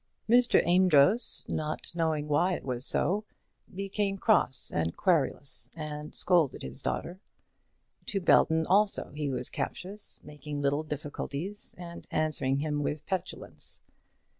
Mr. Amedroz, not knowing why it was so, became cross and querulous, and scolded his daughter. To Belton, also, he was captious, making little difficulties, and answering him with petulance.